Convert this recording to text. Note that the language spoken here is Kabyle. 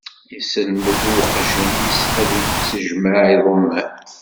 Yesselmed i uqjun-is ad yettajmaɛ iḍumman.